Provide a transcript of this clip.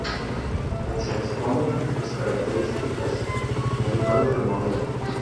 En se exponen las características principales del modelo.